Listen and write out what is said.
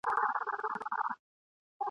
پر ډوډۍ یې زهر وپاشل په ښار کي!.